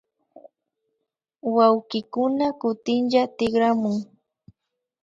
Wawkikuna kutinlla tikramun